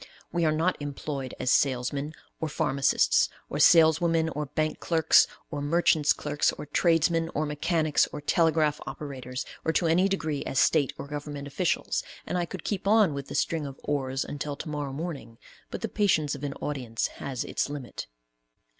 We are not employed as salesmen or pharmacists, or saleswomen, or bank clerks, or merchants' clerks, or tradesmen, or mechanics, or telegraph operators, or to any degree as State or government officials, and I could keep on with the string of "ors" until to morrow morning, but the patience of an audience has its limit.